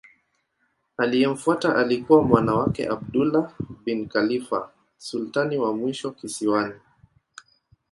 Aliyemfuata alikuwa mwana wake Abdullah bin Khalifa sultani wa mwisho kisiwani.